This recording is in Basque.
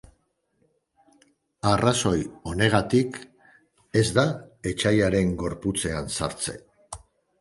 Arrazoi honegatik, ez da etsaiaren gorputzean sartze.